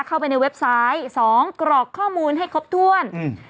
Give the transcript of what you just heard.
เข้าไปในเว็บไซต์สองกรอกข้อมูลให้ครบถ้วนอืม